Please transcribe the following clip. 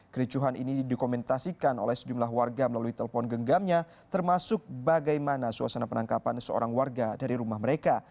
kericuhan ini dikomentasikan oleh sejumlah warga melalui telepon genggamnya termasuk bagaimana suasana penangkapan seorang warga dari rumah mereka